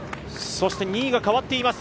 そして２位が変わっています